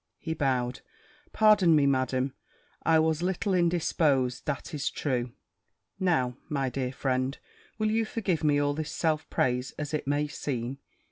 He bowed "Pardon me, Madam I was leetel indispose, dat ish true!" Now, my dear friend, will you forgive me all this self praise, as it may seem?